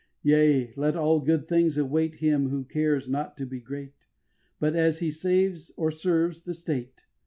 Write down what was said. Yea, let all good things await Him who cares not to be great, But as he saves or serves the state.